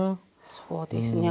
そうですね。